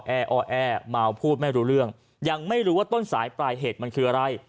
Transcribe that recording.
แอ้อแอเมาพูดไม่รู้เรื่องยังไม่รู้ว่าต้นสายปลายเหตุมันคืออะไร